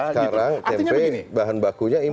sekarang tempe bahan bakunya impor